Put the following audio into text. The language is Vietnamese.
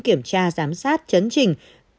kiểm tra giám sát chấn trình